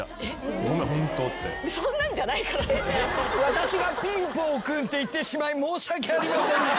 私がピーポーくんって言ってしまい申し訳ありませんでした。